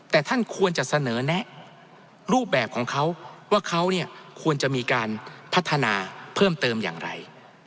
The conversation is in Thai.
แต่ท่านควรจะเสนอแนะรูปแบบของเขาว่าเขาเนี่ยควรจะมีการพัฒนาเพิ่มเติมอย่างไร